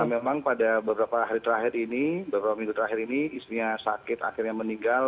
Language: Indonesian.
memang pada beberapa hari terakhir ini beberapa minggu terakhir ini istrinya sakit akhirnya meninggal